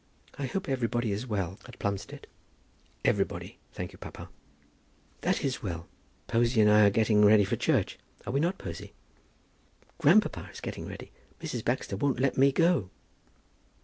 I hope everybody is well at Plumstead?" "Everybody, thank you, papa." "That is well. Posy and I are getting ready for church. Are we not, Posy?" "Grandpapa is getting ready. Mrs. Baxter won't let me go."